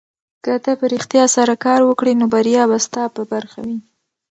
که ته په رښتیا سره کار وکړې نو بریا به ستا په برخه وي.